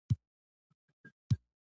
هغه په خپله لورینه متن مطالعه کړ.